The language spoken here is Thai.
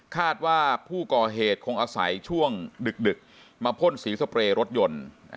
คาดว่าผู้ก่อเหตุคงอาศัยช่วงดึกมาพ่นสีสเปรย์รถยนต์